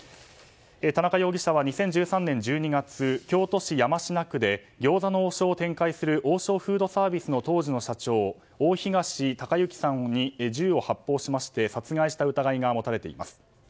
田中容疑者は２０１３年１２月京都市山科区で餃子の王将を展開する王将フードサービスの当時の社長大東隆行さんに銃を発砲し殺害した疑いが持たれています。